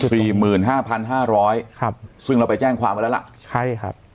สี่หมื่นห้าพันห้าร้อยครับซึ่งเราไปแจ้งความไว้แล้วล่ะใช่ครับ